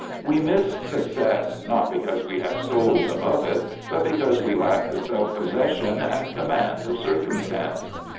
We miss success, not because we have souls above it, but because we lack the self possession and command of circumstance.